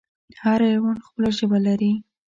هر حیوان خپله ژبه لري